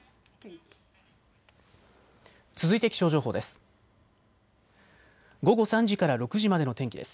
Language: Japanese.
続いて気象情報です。